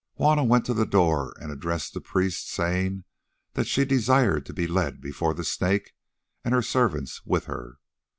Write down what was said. Juanna went to the door and addressed the priests, saying that she desired to be led before the Snake, and her servants with her.